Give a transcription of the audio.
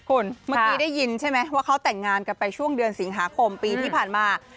คุณเมื่อกี้ได้ยินใช่ไหมว่าเขาแต่งงานกันไปช่วงเดือนสิงหาคมปีที่ผ่านมา